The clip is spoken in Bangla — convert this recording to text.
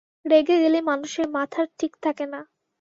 রেগে গেলে মানুষের মাথার ঠিক থাকে না।